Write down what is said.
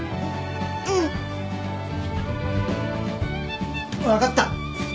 ううん。分かった。